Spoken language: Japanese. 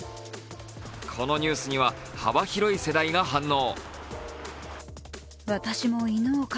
このニュースには幅広い世代が反応。